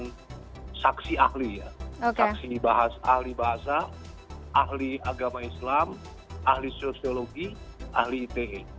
dan saksi ahli bahasa ahli agama islam ahli sosiologi ahli ite